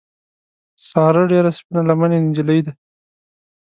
ساره ډېره سپین لمنې نجیلۍ ده.